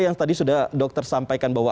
yang tadi sudah dokter sampaikan bahwa